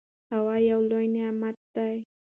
هوا یو لوی نعمت دی.